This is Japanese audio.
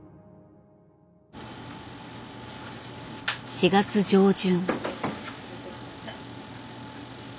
４月上旬。